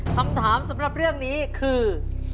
คำถามสำหรับเรื่องนี้คือ